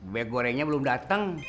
bebek gorengnya belum dateng